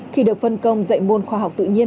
khi được phân công dạy môn khoa học tự nhiên